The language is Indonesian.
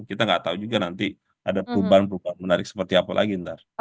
kita nggak tahu juga nanti ada perubahan perubahan menarik seperti apa lagi nanti